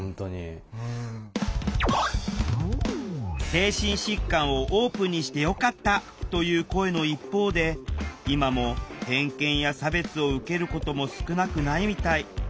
精神疾患をオープンにしてよかったという声の一方で今も偏見や差別を受けることも少なくないみたい。